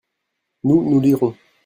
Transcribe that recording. nous, nous lirons.